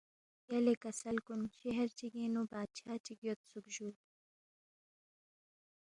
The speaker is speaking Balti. یلے کسل کُن شہر چِگِنگ نُو بادشاہ چِک یودسُوک جُو